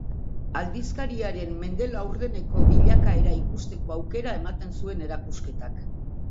Aldizkariaren mende laurdeneko bilakaera ikusteko aukera ematen zuen erakusketak.